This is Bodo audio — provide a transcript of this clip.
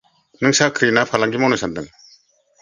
नों साख्रि ना फालांगि मावनो सानदों?